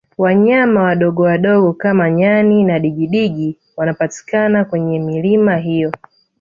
wanyama wadogowadogo kama nyani na digidigi wanapatikana kwenye milima hiyo